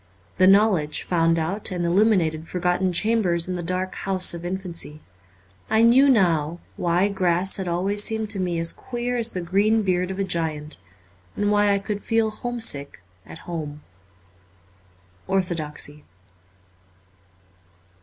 The know ledge found out and illuminated forgotten chambers in the dark house of infancy. I knew now why grass had always seemed to me as queer as the green beard of a giant, and why I could feel home sick at home. 'Orthodoxy.'